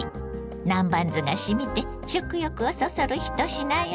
南蛮酢がしみて食欲をそそる一品よ。